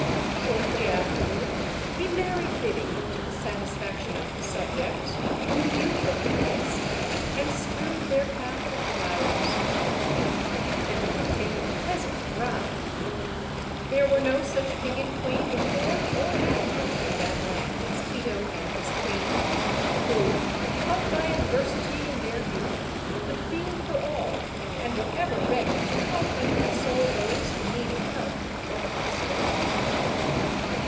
Shortly afterward he married Biby, to the satisfaction of his subjects, who knew her goodness, and strewed their path with flowers, pleased that he had taken a peasant bride. There were no such king and queen before or after in that land as Tito and his queen, who, taught by BIBY AND PRINCK TITO'S MARRIAGE. (107) 108 OLD, OLD FAIRY TALES. adversity in their youth, could feel for all, and were ever ready to help and console those who needed help or con solation.